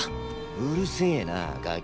うるせェなガキ。